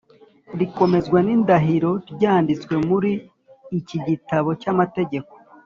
rikomezwa n indahiro ryanditswe muri iki gitabo cy amategeko